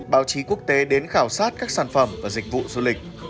báo chí quốc tế đến khảo sát các sản phẩm và dịch vụ du lịch